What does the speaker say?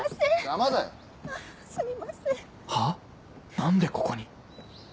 何でここに？